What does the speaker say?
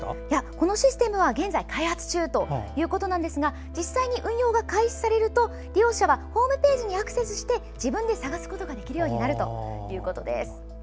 このシステムは現在開発中ということですが実際に運用が開始されると利用者はホームページにアクセスして自分で探すことができるようになるということです。